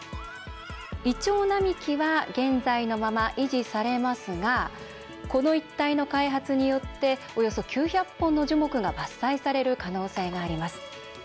イチョウ並木は現在のまま維持されますがこの一帯の開発によっておよそ９００本の樹木が伐採される可能性があります。